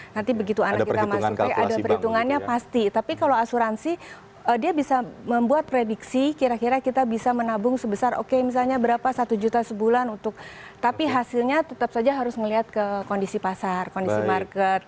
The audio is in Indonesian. nanti begitu anak kita masuk ada perhitungannya pasti tapi kalau asuransi dia bisa membuat prediksi kira kira kita bisa menabung sebesar oke misalnya berapa satu juta sebulan untuk tapi hasilnya tetap saja harus melihat ke kondisi pasar kondisi market